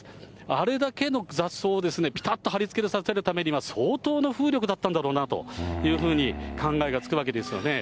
あれだけの雑草をぴたっと張りつけさせるためには、相当な風力だったんだろうなというふうに考えがつくわけですよね。